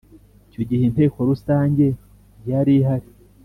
Icyo gihe Inteko Rusange ntiyarihari.